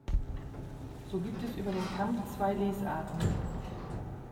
So gibt es über den Kampf zwei Lesarten.